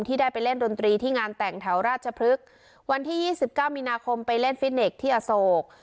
ได้ไปเล่นดนตรีที่งานแต่งแถวราชพฤกษ์วันที่ยี่สิบเก้ามีนาคมไปเล่นฟิตเน็ตที่อโศก